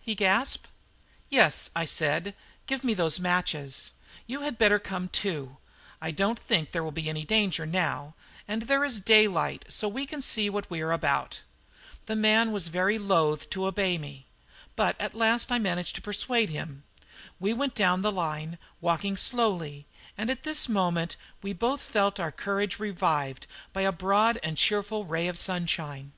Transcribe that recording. he gasped. "Yes," I said; "give me those matches. You had better come too. I don't think there will be much danger now; and there is daylight, so we can see what we are about." The man was very loth to obey me, but at last I managed to persuade him. We went down the line, walking slowly, and at this moment we both felt our courage revived by a broad and cheerful ray of sunshine.